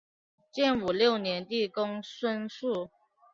建武六年帝公孙述。